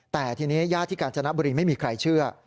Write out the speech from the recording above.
แต่ทีนี้ญาติที่กาญจนบุรีไม่มีใครเชื่อ